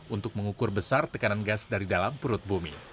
untuk mengukur besar tekanan gas dari dalam perut bumi